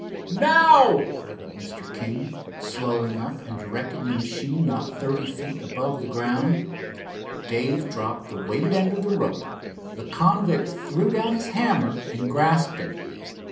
"Now," ordered Mr. King, slowing up and directing the machine not thirty feet above the ground. Dave dropped the weighted end of the rope. The convict threw down his hammer and grasped it.